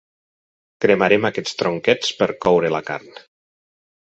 Cremarem aquests tronquets per coure la carn.